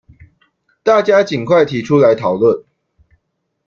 大家儘快提出來討論